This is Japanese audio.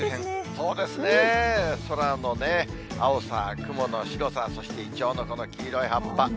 そうですね、空の青さ、雲の白さ、そしてイチョウのこの黄色い葉っぱ。